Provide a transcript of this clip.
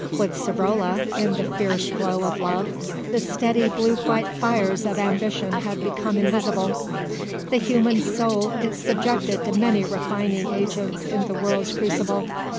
With Savrola, in the fierce glow of love the steady blue white fires of ambition had become invisible. The human soul is subjected to many refining agents in the world's crucible.